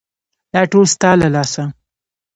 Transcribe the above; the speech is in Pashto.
_دا ټول ستا له لاسه.